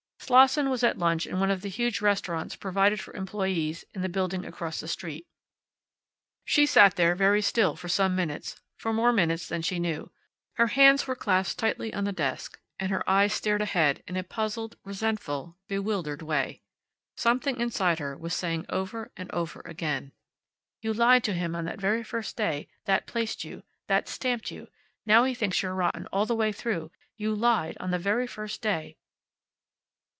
Slosson was at lunch in one of the huge restaurants provided for employees in the building across the street. She sat there, very still, for some minutes; for more minutes than she knew. Her hands were clasped tightly on the desk, and her eyes stared ahead in a puzzled, resentful, bewildered way. Something inside her was saying over and over again: "You lied to him on that very first day. That placed you. That stamped you. Now he thinks you're rotten all the way through. You lied on the very first day."